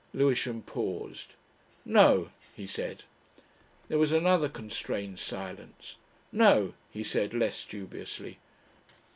Lewisham paused. "No," he said. There was another constrained silence. "No," he said less dubiously.